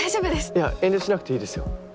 いや遠慮しなくていいですよ。